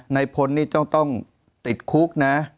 ในพลต้องติดคุก